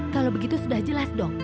kalau begitu sudah jelas dong